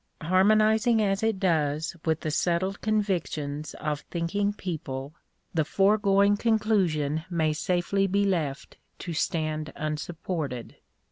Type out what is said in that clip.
Harmonizing as it does with the settled convictions of thinking people, the foregoing conclusion may safely be left to stand unsupported.